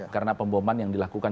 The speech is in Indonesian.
karena pembombaan yang dilakukan